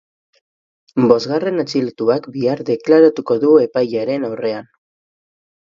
Bosgarren atxilotuak bihar deklaratuko du epailearen aurrean.